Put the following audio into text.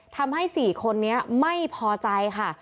ทำให้๔คนนี้ไม่พอใจค่ะ